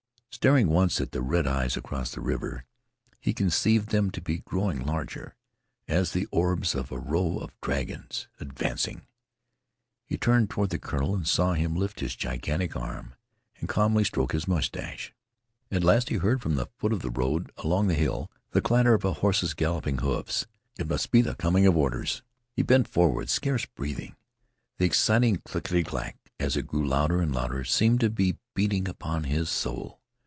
Staring once at the red eyes across the river, he conceived them to be growing larger, as the orbs of a row of dragons advancing. He turned toward the colonel and saw him lift his gigantic arm and calmly stroke his mustache. At last he heard from along the road at the foot of the hill the clatter of a horse's galloping hoofs. It must be the coming of orders. He bent forward, scarce breathing. The exciting clickety click, as it grew louder and louder, seemed to be beating upon his soul.